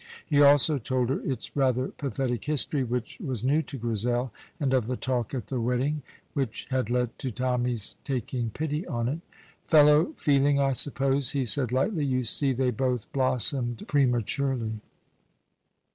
He also told her its rather pathetic history, which was new to Grizel, and of the talk at the wedding which had led to Tommy's taking pity on it. "Fellow feeling, I suppose," he said lightly; "you see, they both blossomed prematurely."